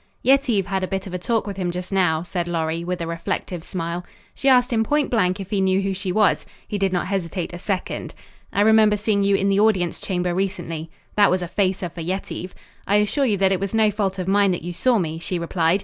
"Yetive had a bit of a talk with him just now," said Lorry, with a reflective smile. "She asked him point blank if he knew who she was. He did not hesitate a second. 'I remember seeing you in the audience chamber recently.' That was a facer for Yetive. 'I assure you that it was no fault of mine that you saw me,' she replied.